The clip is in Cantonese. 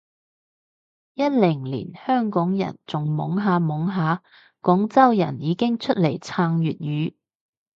一零年香港人仲懵下懵下，廣州人已經出嚟撐粵語